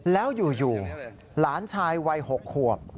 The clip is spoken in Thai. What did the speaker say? แล้วอยู่หลานชายวัย๖ขวบ